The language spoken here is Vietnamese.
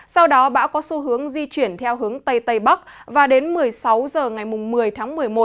sau đó bão có xu hướng di chuyển theo hướng tây tây bắc và đến một mươi sáu h ngày một mươi tháng một mươi một